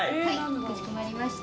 かしこまりました。